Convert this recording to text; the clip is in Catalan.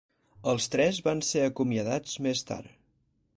Els tres van ser acomiadats més tard.